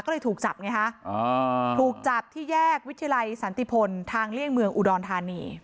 ก็เลยถูกจับไงฮะถูกจับที่แยกวิทยาลัยสันติพลทางเลี่ยงเมืองอุดรธานี